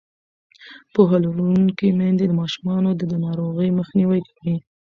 پوهه لرونکې میندې د ماشومانو د ناروغۍ مخنیوی کوي.